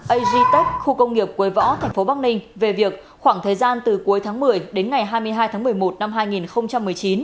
ag tech khu công nghiệp quế võ tp bắc ninh về việc khoảng thời gian từ cuối tháng một mươi đến ngày hai mươi hai tháng một mươi một năm hai nghìn một mươi chín